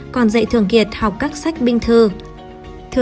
còn dạy thường kiệt học các sách binh thư